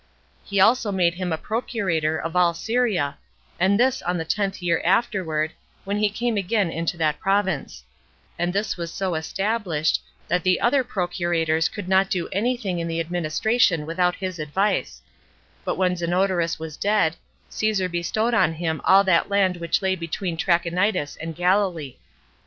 He also made him a procurator of all Syria, and this on the tenth year afterward, when he came again into that province; and this was so established, that the other procurators could not do any thing in the administration without his advice: but when Zenodorus was dead, Caesar bestowed on him all that land which lay between Trachonitis and Galilee.